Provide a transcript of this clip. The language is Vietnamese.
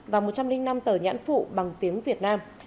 và một trăm linh năm tờ nhãn phụ bằng tiếng việt nam